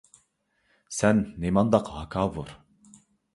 سەن نېمانداق ھاكاۋۇر!